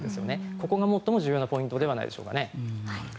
ここが最も重要なポイントではないでしょうか。